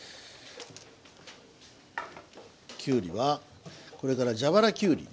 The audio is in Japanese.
きゅうりはこれから蛇腹きゅうりに。